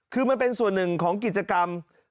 คือมันเป็นส่วนหนึ่งของกิจกรรม